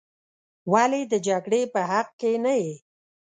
ولې د جګړې په حق کې نه یې.